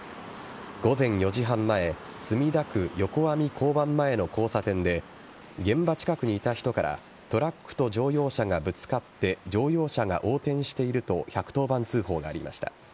午前４時半前墨田区横網交番前の交差点で現場近くにいた人からトラックと乗用車がぶつかって乗用車が横転していると１１０番通報がありました。